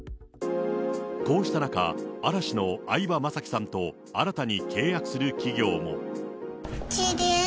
こうした中、嵐の相葉雅紀さんと新たに契約する企業も。